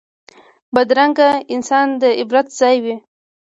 بدرنګه انسان د عبرت ځای وي